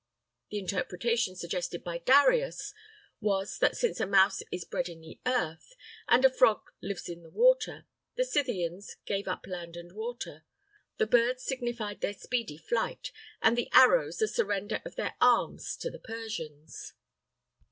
The interpretation suggested by Darius was, that since a mouse is bred in the earth, and a frog lives in the water, the Scythians gave up land and water. The bird signified their speedy flight, and the arrows the surrender of their arms to the Persians.